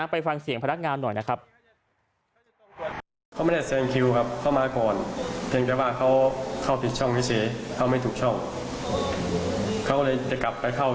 ไปฟังเสียงพนักงานหน่อยนะครับ